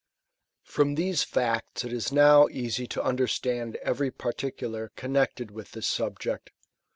From these facts it is now easy to understand every parti cular connected with this subject.